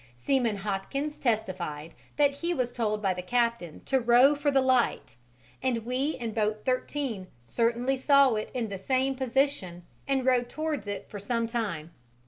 Seaman Hopkins testified that he was told by the captain to row for the light; and we in boat 13 certainly saw it in the same position and rowed towards it for some time.